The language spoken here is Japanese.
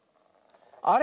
あれ？